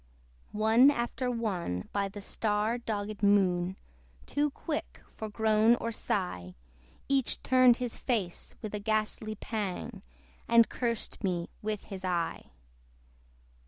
One after one, by the star dogged Moon Too quick for groan or sigh, Each turned his face with a ghastly pang, And cursed me with his eye.